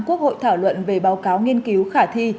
quốc hội thảo luận về báo cáo nghiên cứu khả thi